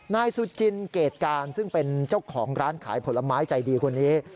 นายสุจินเกรดการซึ่งเป็นเจ้าของร้านขายผลไม้ใจดีคนนี้